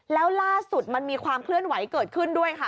แล้วล่าสุดมันมีความเคลื่อนไหวเกิดขึ้นด้วยค่ะ